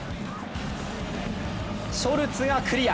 ショルツがクリア！